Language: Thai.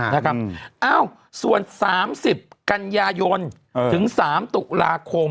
เอ้าส่วน๓๐กันยายนถึง๓ตุลาคม